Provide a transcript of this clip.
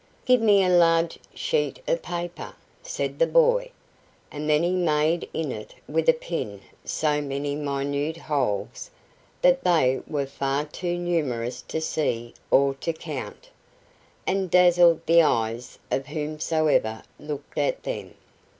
"Give me a large sheet of paper," said the boy; and then he made in it with a pin so many minute holes that they were far too numerous to see or to count, and dazzled the eyes of whomsoever looked at them.